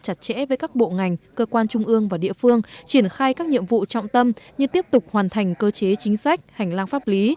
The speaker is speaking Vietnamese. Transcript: chặt chẽ với các bộ ngành cơ quan trung ương và địa phương triển khai các nhiệm vụ trọng tâm như tiếp tục hoàn thành cơ chế chính sách hành lang pháp lý